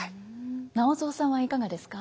直三さんはいかがですか？